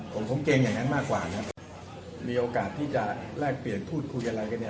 ผมผมเกรงอย่างนั้นมากกว่านะครับมีโอกาสที่จะแลกเปลี่ยนพูดคุยอะไรกันเนี่ย